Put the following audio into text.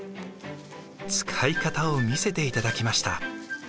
使い方を見せていただきました。